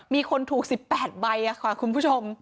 มีคนถูก๑๘ใบค่ะคุณผู้ชม